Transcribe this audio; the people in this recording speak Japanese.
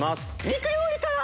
肉料理から！